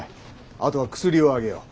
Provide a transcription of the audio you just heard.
あとは薬をあげよう。